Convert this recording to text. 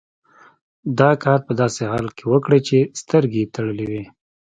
دا کار په داسې حال کې وکړئ چې سترګې یې تړلې وي.